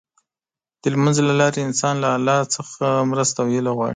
د لمونځ له لارې انسان له الله څخه مرسته او هيله غواړي.